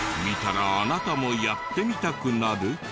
見たらあなたもやってみたくなる？